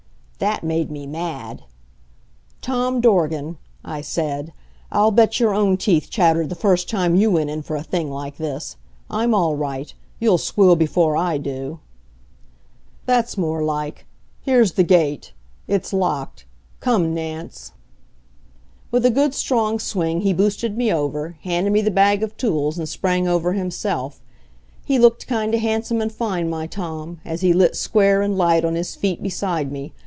That made me mad. "Tom Dorgan," I said, "I'll bet your own teeth chattered the first time you went in for a thing like this. I'm all right. You'll squeal before I do." "That's more like. Here's the gate. It's locked. Come, Nance." With a good, strong swing he boosted me over, handed me the bag of tools and sprang over himself.... He looked kind o' handsome and fine, my Tom, as he lit square and light on his feet beside me.